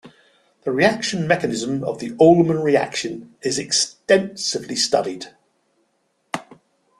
The reaction mechanism of the Ullmann reaction is extensively studied.